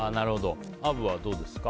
アブはどうですか？